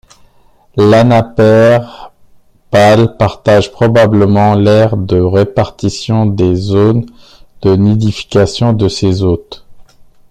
L'anapère pâle partage probablement l'aire de répartition des zones de nidification de ses hôtes.